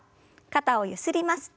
肩をゆすります。